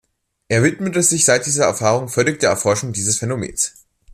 Er widmete sich seit dieser Erfahrung völlig der Erforschung dieses Phänomens.